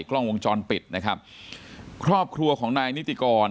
กล้องวงจรปิดนะครับครอบครัวของนายนิติกร